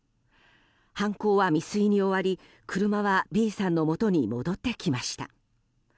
犯行は未遂に終わり車はＢさんのもとに戻ってきました。